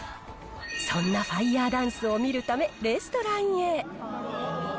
そんなファイヤーダンスを見るため、レストランへ。